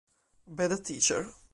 Bad Teacher